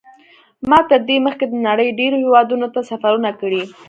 ما تر دې مخکې د نړۍ ډېرو هېوادونو ته سفرونه کړي.